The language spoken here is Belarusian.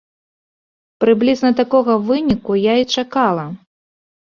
Прыблізна такога выніку я і чакала.